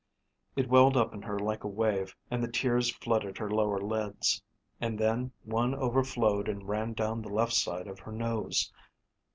It welled up in her like a wave and the tears flooded her lower lids, and then one overflowed and ran down the left side of her nose.